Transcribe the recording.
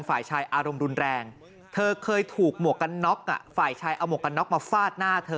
ฝ่ายชายอารมณ์รุนแรงเธอเคยถูกหมวกกันน็อกฝ่ายชายเอาหมวกกันน็อกมาฟาดหน้าเธอ